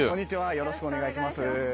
よろしくお願いします。